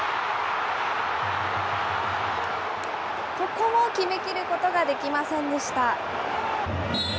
ここも決めきることができませんでした。